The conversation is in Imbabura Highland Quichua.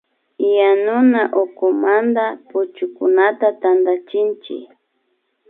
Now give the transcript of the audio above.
Yanuna ukumanta puchukunata tantachinchik